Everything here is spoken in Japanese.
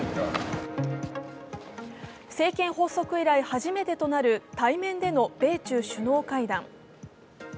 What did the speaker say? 政権発足以来初めてとなる対面での米中首脳会談。